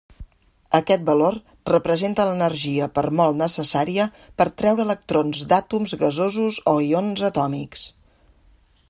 Aquest valor representa l'energia per mol necessària per treure electrons d'àtoms gasosos o ions atòmics.